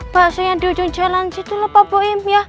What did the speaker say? bakso yang di ujung jalan situ lho pak boim